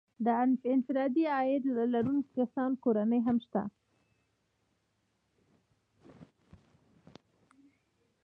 د انفرادي عاید لرونکو کسانو کورنۍ هم شته